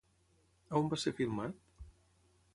On va ser filmat?